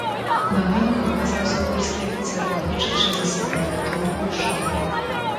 На ганку паказаўся польскі афіцэр, валочачы за сабою доўгую шаблю.